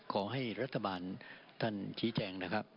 ขอให้รัฐบาลท่านชี้แจงนะครับ